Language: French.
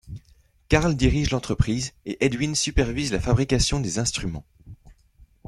Carl dirige l'entreprise, et Edwin supervise la fabrication des instruments.